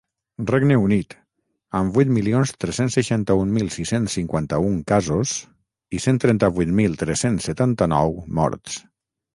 Regne Unit, amb vuit milions tres-cents seixanta-un mil sis-cents cinquanta-un casos i cent trenta-vuit mil tres-cents setanta-nou morts.